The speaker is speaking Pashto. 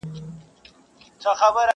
چي په تا یې رنګول زاړه بوټونه٫